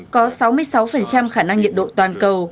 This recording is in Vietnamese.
có sáu mươi sáu khả năng nhiệt độ toàn cầu